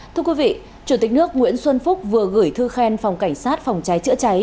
thưa quý vị chủ tịch nước nguyễn xuân phúc vừa gửi thư khen phòng cảnh sát phòng cháy chữa cháy